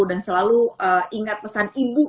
dan selalu ingat pesan ibu